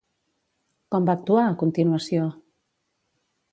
Com va actuar a continuació?